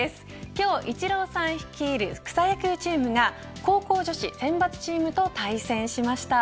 今日、イチローさん率いる草野球チームが高校女子選抜チームと対戦しました。